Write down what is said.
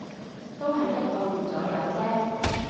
都係一個月左右啫